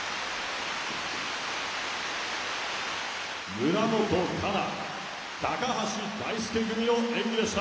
村元哉中高橋大輔組の演技でした。